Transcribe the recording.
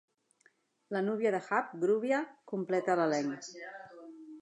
La núvia de Hap, Groovia, completa l'elenc.